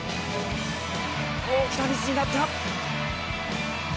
大きなミスになった。